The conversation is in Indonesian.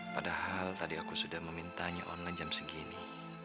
padahal tadi aku sudah memintanya online jam segini